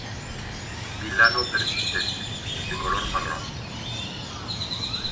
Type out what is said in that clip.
Vilano persistente, de color marrón.